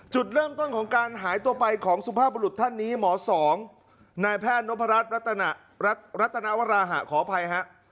จุดเริ่มต้นของการหายตัวไปของสุภาพบรุษท่านนี้หมอสองนายแพทย์นพรัชรัตนวราหะขออภัยฮะ